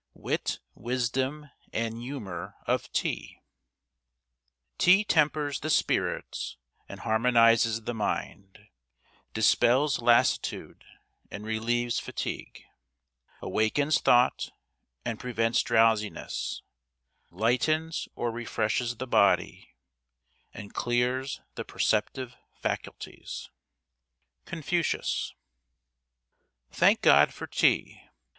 WIT, WISDOM, AND HUMOR OF TEA Tea tempers the spirits and harmonizes the mind, dispels lassitude and relieves fatigue, awakens thought and prevents drowsiness, lightens or refreshes the body, and clears the perceptive faculties. CONFUCIUS. Thank God for tea!